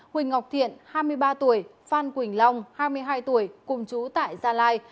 huỳnh ngọc thiện hai mươi ba tuổi phan quỳnh long hai mươi hai tuổi cùng chú tại gia lai